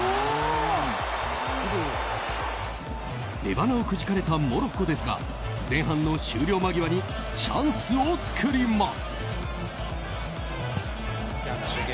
出ばなをくじかれたモロッコですが前半の終了間際にチャンスを作ります。